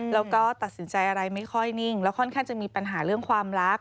แล้วก็ตัดสินใจอะไรไม่ค่อยนิ่งแล้วค่อนข้างจะมีปัญหาเรื่องความรัก